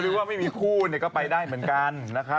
ว่าไม่มีคู่ก็ไปได้เหมือนกันนะครับ